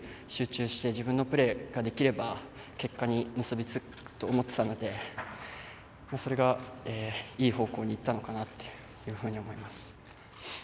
集中して自分のプレーができれば結果に結びつくと思っていたのでそれが、いい方向にいったのかなというふうに思います。